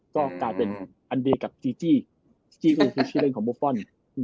ก็กลายเป็นอันเดย์กับจีจี้จี้ก็คือชื่อเล่นของบุฟฟอล